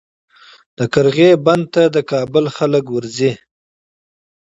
د قرغې بند د کابل خلک ورځي